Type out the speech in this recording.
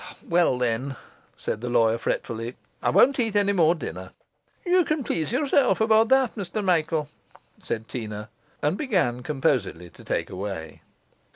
'Well, then,' said the lawyer fretfully, 'I won't eat any more dinner.' 'Ye can please yourself about that, Mr Michael,' said Teena, and began composedly to take away.